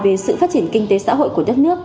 về sự phát triển kinh tế xã hội của đất nước